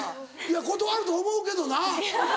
断ると思うけどな！